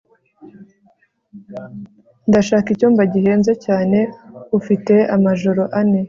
ndashaka icyumba gihenze cyane ufite amajoro ane